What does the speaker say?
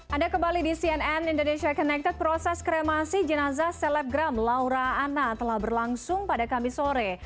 anda kembali di cnn indonesia connected proses kremasi jenazah selebgram laura anna telah berlangsung pada kamis sore